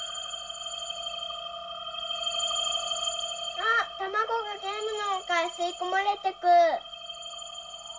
あたまごがゲームのなかへすいこまれてく。